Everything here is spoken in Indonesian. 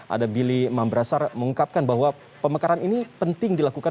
ada billy mambrasar mengungkapkan bahwa pemekaran ini penting dilakukan